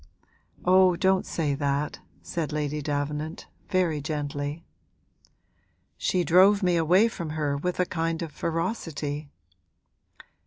'Oh, don't say that,' said Lady Davenant, very gently. 'She drove me away from her with a kind of ferocity.'